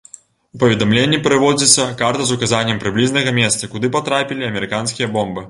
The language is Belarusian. У паведамленні прыводзіцца карта з указаннем прыблізнага месца, куды патрапілі амерыканскія бомбы.